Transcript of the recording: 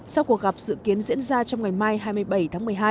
sau cuộc gặp dự kiến diễn ra trong ngày mai hai mươi bảy tháng một mươi hai